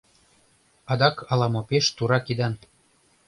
Адак ала-мо пеш тура кидан...